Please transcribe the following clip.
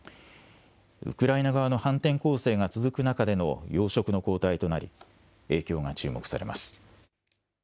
ウクライナ側の反転攻勢が続く中での要職の交代となり、影響が注目されます。